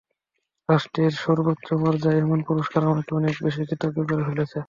রাষ্ট্রের সর্বোচ্চ পর্যায়ের এমন পুরস্কার আমাকে অনেক বেশি কৃতজ্ঞ করে ফেলেছে।